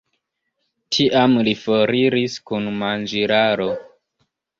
Tiam li foriris kun manĝilaro.